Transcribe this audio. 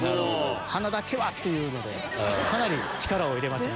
鼻だけは！っていうのでかなり力を入れました。